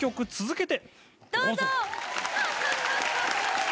どうぞ。